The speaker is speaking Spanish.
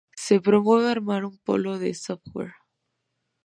Se promueve armar un Polo de Software.